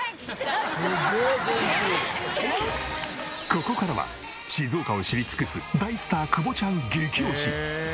ここからは静岡を知り尽くす大スター久保ちゃん激推し！